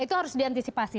itu harus diantisipasi